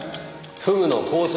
フグのコース